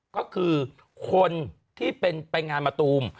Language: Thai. ก็คือคนที่เป็นไปงานมะตูม